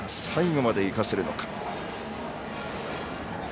最後までいかせるのか。